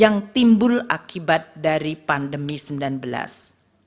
yang timbul akibat dari pandemi sembilan belas